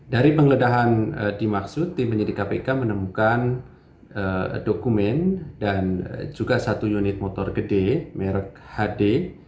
dari penggeledahan dimaksud tim penyidik kpk menemukan dokumen dan juga satu unit motor gede merek hd